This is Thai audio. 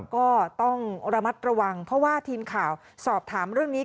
ก็ต้องระมัดระวังเพราะว่าทีมข่าวสอบถามเรื่องนี้